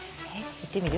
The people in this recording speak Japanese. いってみる？